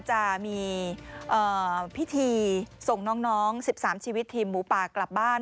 จะมีพิธีส่งน้อง๑๓ชีวิตทีมหมูป่ากลับบ้าน